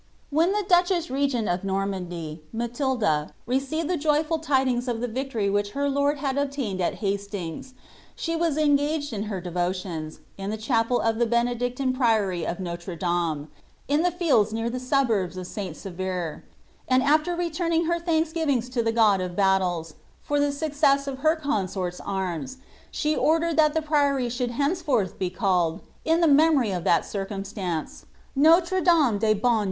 When the duchesB regcnl of Normnndy. Maiihla, receired the joyful tidings of the victory which her lord liad obiuinod nt Hasliiiga, she wu 'engaged in her devotions, in the chapel of the Benedictine priory nf Kotre Dame, in the fields near the suburbs of St. Sevre ; >iid after re turning her thanksgivings to the God of battles, for llie success of hei ronson's arms, she ordered that the priory should henceforth he dJIcd, in memory of that circumslance, ^olrf Damt ds Bonws .